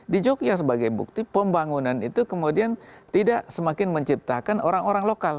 di jogja sebagai bukti pembangunan itu kemudian tidak semakin menciptakan orang orang lokal